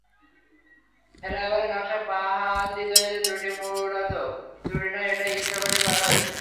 ফ্লাইওভারের নকশায় বাঁহাতিজনিত ত্রুটি মূলত ত্রুটি নয়, এটা ইচ্ছা করেই করা হয়েছে।